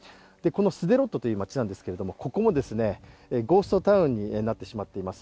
スデロットという街なんですけれども、ここもゴーストタウンになってしまっています。